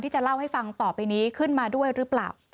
จะเล่าให้ฟังต่อไปนี้ขึ้นมาด้วยหรือเปล่า